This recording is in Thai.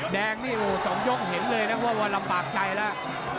แดงนี่โอ้โห๒ยกเห็นเลยนะว่าลำบากใจแล้ว